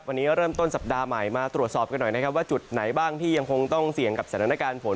วันนี้เริ่มต้นสัปดาห์ใหม่มาตรวจสอบกันหน่อยนะครับว่าจุดไหนบ้างที่ยังคงต้องเสี่ยงกับสถานการณ์ฝน